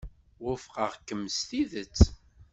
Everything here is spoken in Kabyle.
Wufqeɣ-ken s tidet.